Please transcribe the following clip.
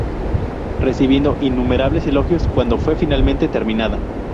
Recibiendo innumerables elogios cuando fue finalmente terminada.